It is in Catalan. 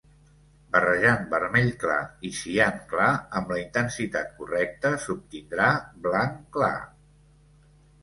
Barrejant vermell clar i cian clar amb la intensitat correcte s'obtindrà blanc clar.